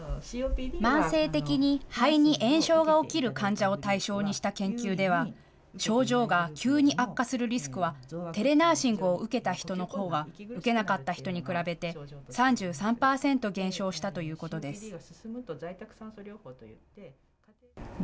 慢性的に肺に炎症が起きる患者を対象にした研究では症状が急に悪化するリスクはテレナーシングを受けた人のほうが受けなかった人に比べて３３％減少したということです。